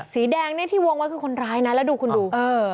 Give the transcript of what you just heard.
สีแดงเนี่ยที่วงไว้คือคนร้ายนะแล้วดูคุณดู